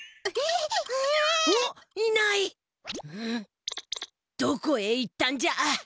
んどこへ行ったんじゃ？